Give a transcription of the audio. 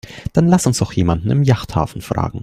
Dann lass uns doch jemanden im Yachthafen fragen.